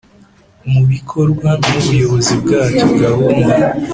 Mu bikorwa n ubuyobozi bwacyo gahunda